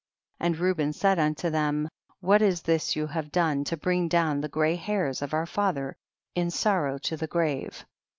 6. And Reuben said unto them, what is this you have done to bring down the grey hairs of our father in sorrow to the grave